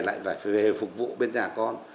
lại phải về phục vụ bên nhà con